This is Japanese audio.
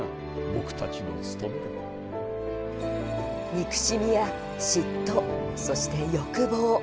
憎しみや嫉妬、そして欲望。